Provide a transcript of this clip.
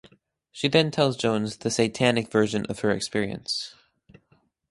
She then tells Jones the satanic version of her experience.